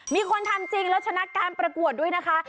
มีคนทำจริงแล้วชนะการประกวดด้วยนะคะ